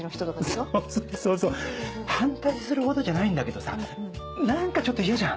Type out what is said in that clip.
そうそうそう反対するほどじゃないんだけどさ何かちょっと嫌じゃん。